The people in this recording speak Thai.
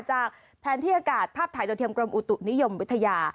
จากแผนที่อากาศภาพถ่ายโดยเทียมกรมอุตุนิยมวิทยา